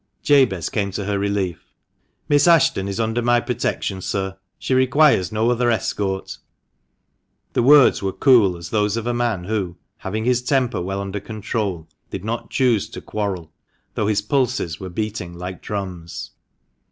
Jabez came to her relief. " Miss Ashton is under my protection, sir ; she requires no other escort." The words were cool as those of a man who, having his temper well under control, did not choose to quarrel, though his pulses were beating like drums.